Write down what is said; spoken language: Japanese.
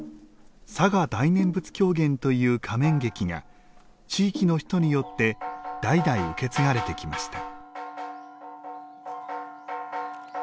嵯峨大念佛狂言という仮面劇が地域の人によって代々受け継がれてきました。